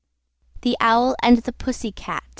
THE OWL AND THE PUSSY CAT.